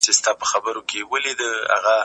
حساسیت نښې ولیکئ.